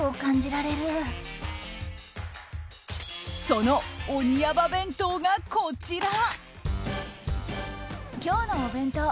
その鬼ヤバ弁当がこちら。